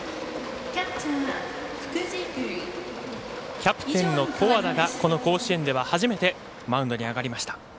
キャプテンの古和田がこの甲子園では初めてマウンドに上がりました。